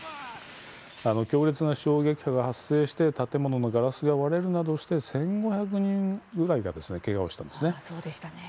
強烈な衝撃波が発生して建物のガラスが割れるなどして１５００人ぐらいがけがをしたんですね。